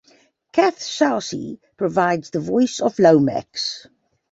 Kath Soucie provides the voice of Lomax.